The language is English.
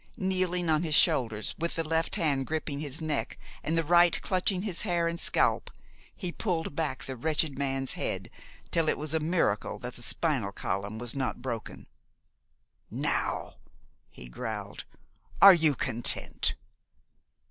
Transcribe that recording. Kneeling on his shoulders, with the left hand gripping his neck and the right clutching his hair and scalp, he pulled back the wretched man's head till it was a miracle that the spinal column was not broken. "Now!" he growled, "are you content?"